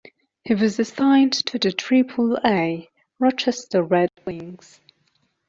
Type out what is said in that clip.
He was assigned to the Triple-A Rochester Red Wings.